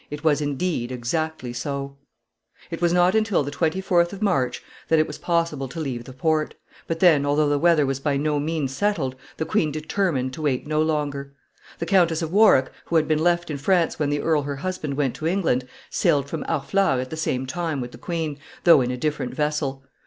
It was, indeed, exactly so. [Sidenote: Countess of Warwick.] It was not until the 24th of March that it was possible to leave the port; but then, although the weather was by no means settled, the queen determined to wait no longer. The Countess of Warwick, who had been left in France when the earl her husband went to England, sailed from Harfleur at the same time with the queen, though in a different vessel.